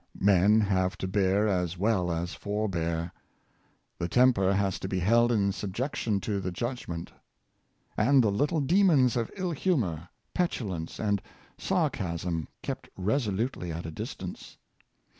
Men have to bear as well as forbear. The temper has to be held in subjec tion to the judgment ; and the little demons of ill humor, petulance, and sarcasm, kept resolutely at a distance.